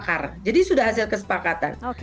kar jadi sudah hasil kesepakatan